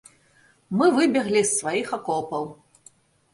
Мы выбеглі з сваіх акопаў.